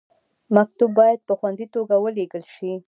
مکتوب باید په خوندي توګه ولیږل شي.